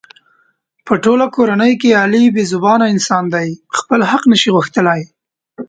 په ټوله کورنۍ کې علي بې زبانه انسان دی. خپل حق نشي غوښتلی.